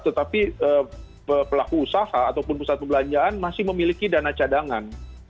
tetapi pelaku usaha ataupun pusat perbelanjaan masih memiliki dana cadangan